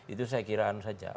itu saya kira saja